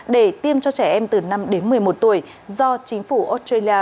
để tiêm cho trẻ em từ năm đến một mươi một tuổi do chính phủ australia